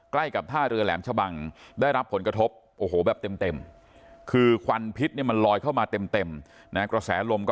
ใกล้กับท่าเรือแหลมชะบังได้รับผลกระทบโอ้โหแบบเต็ม